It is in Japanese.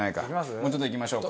もうちょっといきましょうか。